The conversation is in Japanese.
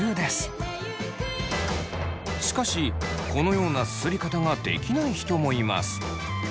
しかしこのようなすすり方ができない人もいます。